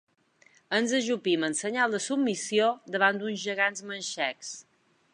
Ens ajupim en senyal de submissió davant d'uns gegants manxecs.